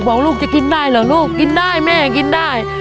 บอกลูกจะกินได้เหรอลูกกินได้แม่กินได้